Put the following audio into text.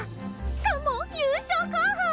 しかも優勝候補！